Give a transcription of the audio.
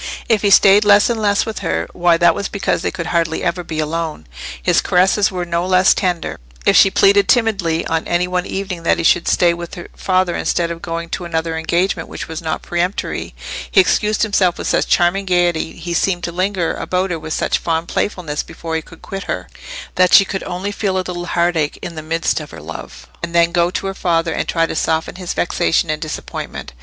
If he stayed less and less with her, why, that was because they could hardly ever be alone. His caresses were no less tender: if she pleaded timidly on any one evening that he should stay with her father instead of going to another engagement which was not peremptory, he excused himself with such charming gaiety, he seemed to linger about her with such fond playfulness before he could quit her, that she could only feel a little heartache in the midst of her love, and then go to her father and try to soften his vexation and disappointment.